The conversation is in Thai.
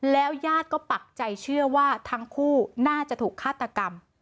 ยาดก็ปักใจเชื่อว่าทั้งคู่น่าจะถูกฆาตกรรม